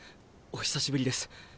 お久しぶりです。